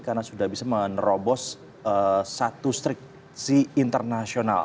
karena sudah bisa menerobos satu striksi internasional